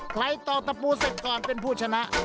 ต่อตะปูเสร็จก่อนเป็นผู้ชนะ